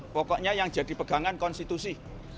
pokoknya yang jadi pegangan konstitusi